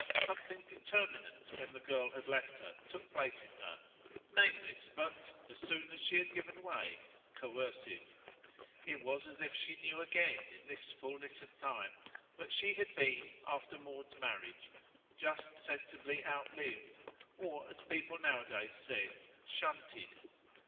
Something determinant, when the girl had left her, took place in her nameless but, as soon as she had given way, coercive. It was as if she knew again, in this fulness of time, that she had been, after Maud's marriage, just sensibly outlived or, as people nowadays said, shunted.